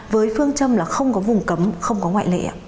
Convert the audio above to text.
với phương châm là không có vùng cấm không có ngoại lệ